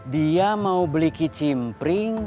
dia mau beli ke cimpring